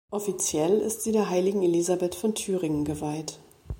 Offiziell ist sie der Heiligen Elisabeth von Thüringen geweiht.